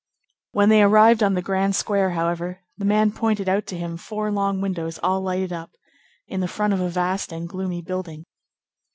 When they arrived on the grand square, however, the man pointed out to him four long windows all lighted up, in the front of a vast and gloomy building.